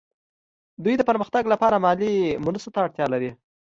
دوی د پرمختګ لپاره مالي مرستو ته اړتیا لري